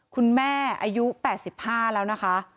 คุณแม่อายุ๘๕แล้วนะคะ